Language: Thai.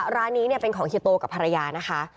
ร้านนี้เป็นของเฮียโตกับภรรยานะคะ